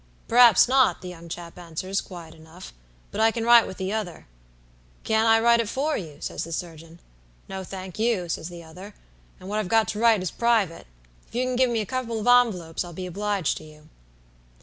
'P'raps not,' the young chap answers, quiet enough, 'but I can write with the other,' 'Can't I write it for you?' says the surgeon. 'No, thank you,' answers the other; 'what I've got to write is private. If you can give me a couple of envelopes, I'll be obliged to you.'